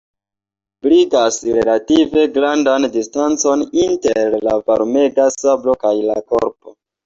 Tiuj ebligas relative grandan distancon inter la varmega sablo kaj la korpo.